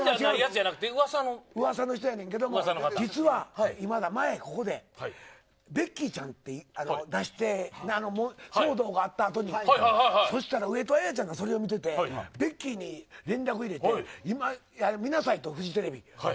うわさの人やねんけど実は今田、前ここでベッキーちゃんって出してあの騒動があった後にそうしたら上戸彩ちゃんが見ててベッキーに連絡入れて今、見なさいとフジテレビ。